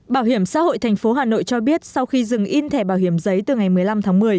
bảo hiểm xã hội tp hà nội cho biết sau khi dừng in thẻ bảo hiểm giấy từ ngày một mươi năm tháng một mươi